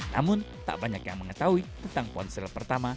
namun tak banyak yang mengetahui tentang ponsel pertama